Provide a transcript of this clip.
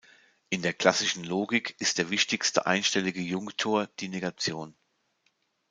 In der klassischen Logik ist der wichtigste einstellige Junktor die Negation.